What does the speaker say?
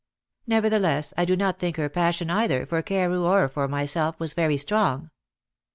Nevertheless, I do not think her passion either for Carew or for myself was very strong.